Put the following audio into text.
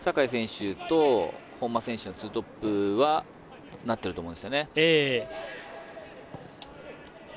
坂井選手と本間選手の２トップにはなってると思うんですよね。